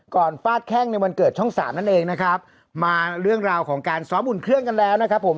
ฟาดแข้งในวันเกิดช่องสามนั่นเองนะครับมาเรื่องราวของการซ้อมอุ่นเครื่องกันแล้วนะครับผม